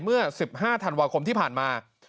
เมื่อ๑๕ธันวาคมที่ผ่านมา